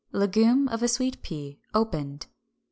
Legume of a Sweet Pea, opened.